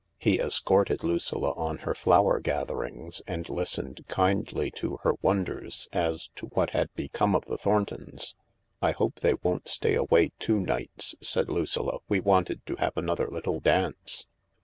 He escorted Lucilla on her flower gatherings, and listened kindly to her wonders as to what had become of the Thorntons. " I hope they won't stay away two nights," said Lucilla ; "we wanted to have another little dance."